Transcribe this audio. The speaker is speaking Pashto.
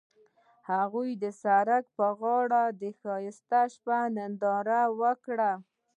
هغوی د سړک پر غاړه د ښایسته شپه ننداره وکړه.